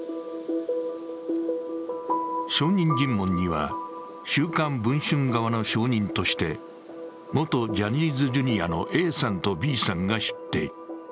証人尋問には、週刊文春側の証人として、元ジャニーズＪｒ．のＡさんとＢさんが出廷。